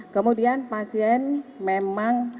kemudian pasien memang